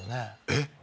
えっ？